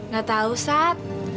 gak tau sat